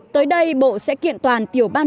tới đây bộ sẽ kiện toàn tiểu ban